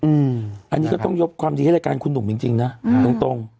อืมอันนี้ก็ต้องยกความดีให้รายการคุณหนุ่มจริงจริงนะตรงตรง